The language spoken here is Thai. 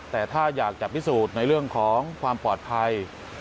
แต่ถ้าอยากจะพิสูจน์ในเรื่องของความปลอดภัย